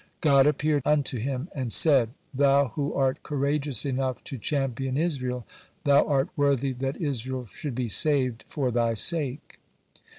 God appeared unto him, and said: "Thou who art courageous enough to champion Israel, thou art worthy that Israel should be saved for thy sake."